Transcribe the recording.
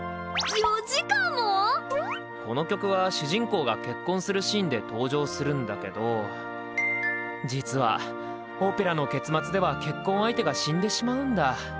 この曲は主人公が結婚するシーンで登場するんだけど実はオペラの結末では結婚相手が死んでしまうんだ。